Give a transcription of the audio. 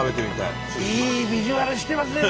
いいビジュアルしてますね！